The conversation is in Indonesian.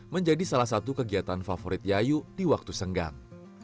menjadi salah satu kegiatan favorit yayu di waktu senggang